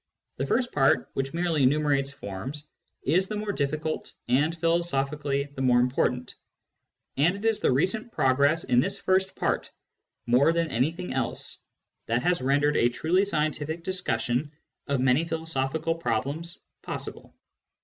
The first part, which merely enumerates forms, is the more difficult, and philosophically the more important ; Digitized by Google 58 SCIENTIFIC METHOD IN PHILOSOPHY and it is the recent progress in this first part, more than anything else, that has rendered a truly scientific discussion of many philosophical problems possible.